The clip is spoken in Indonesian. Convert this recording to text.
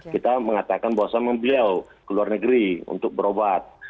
kita mengatakan bahwa sama beliau ke luar negeri untuk berobat